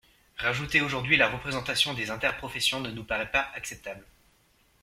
Rajouter aujourd’hui la représentation des interprofessions ne nous paraît pas acceptable.